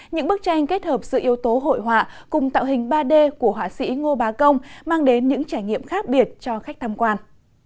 những bức tranh kết hợp sự yếu tố hội họa cùng tạo hình ba d của họa sĩ ngô bá công mang đến những trải nghiệm khác biệt cho khách tham quan